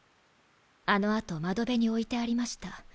あの後窓辺に置いてありました